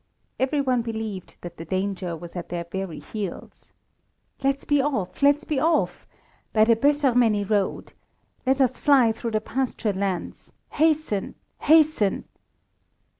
Every one believed that the danger was at their very heels. "Let's be off! Let's be off! By the Böszörmény road! Let us fly through the pasture lands! Hasten! hasten!"